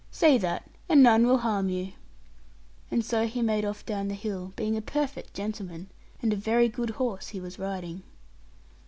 Say that, and none will harm you.' And so he made off down the hill, being a perfect gentleman, and a very good horse he was riding.